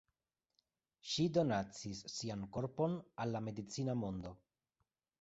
Ŝi donacis sian korpon al la medicina mondo.